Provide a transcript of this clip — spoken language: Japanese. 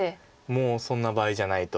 もうそんな場合じゃないと。